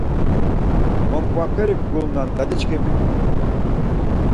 Monkvaperi gulunan, dadiçkimi